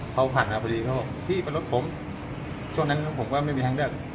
เค้าผ่านมาพอดีเค้าบอกพี่ไปรถผมช่วงนั้นผมก็ไม่มีทางให้